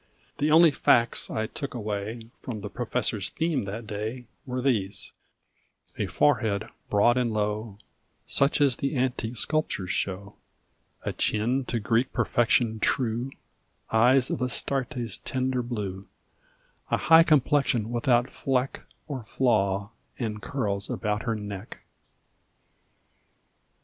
The only facts I took away From the Professor's theme that day Were these: a forehead broad and low, Such as the antique sculptures show; A chin to Greek perfection true; Eyes of Astarte's tender blue; A high complexion without fleck Or flaw, and curls about her neck.